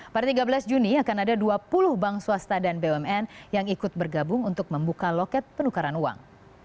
pada tiga belas juni akan ada dua puluh bank swasta dan bumn yang ikut bergabung untuk membuka loket penukaran uang